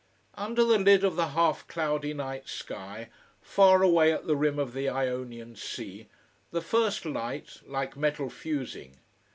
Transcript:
Under the lid of the half cloudy night sky, far away at the rim of the Ionian sea, the first light, like metal fusing.